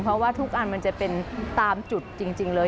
เพราะว่าทุกอันมันจะเป็นตามจุดจริงเลย